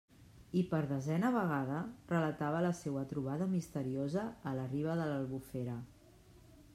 I per desena vegada relatava la seua trobada misteriosa a la riba de l'Albufera.